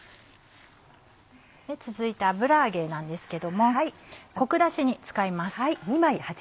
続いて油揚げなんですけどもコク出しに使います。